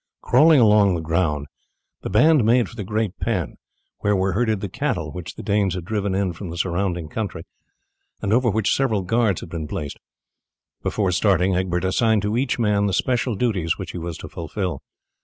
Crawling along the ground the band made for the great pen where were herded the cattle which the Danes had driven in from the surrounding country, and over which several guards had been placed. Before starting Egbert assigned to each man the special duties which he was to fulfil.